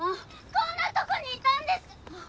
こんなとこにいたんですあっ！